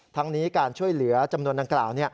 ทั้งนี้การช่วยเหลือจำนวนดังกล่าว